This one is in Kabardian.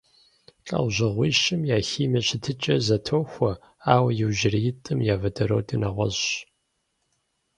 ЛӀэужьыгъуищым я химие щытыкӀэр зэтохуэ, ауэ иужьреитӀым я водородыр нэгъуэщӀщ.